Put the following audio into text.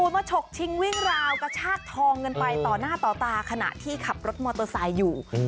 มาฉกชิงวิ่งราวกระชากทองกันไปต่อหน้าต่อตาขณะที่ขับรถมอเตอร์ไซค์อยู่